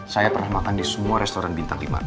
saya pernah makan di semua restoran bintang lima